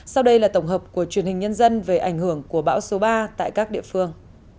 sau đây là tổng hợp của truyền hình nhân dân về ảnh hưởng của bão số ba tại các địa phương